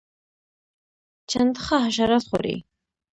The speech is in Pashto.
چنډخه حشرات خوري